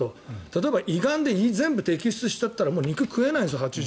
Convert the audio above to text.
例えば、胃がんで胃を全部摘出しちゃったらもう肉が食えないんです。